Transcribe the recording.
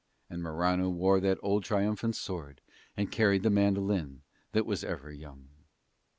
And Morano wore that old triumphant sword, and carried the mandolin that was ever young.